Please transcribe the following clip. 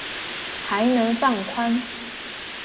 還能放寬